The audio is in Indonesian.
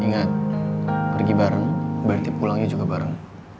ingat pergi bareng berarti pulangnya juga bareng